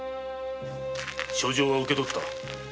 書状は受け取った。